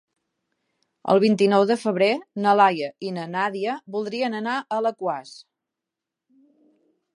El vint-i-nou de febrer na Laia i na Nàdia voldrien anar a Alaquàs.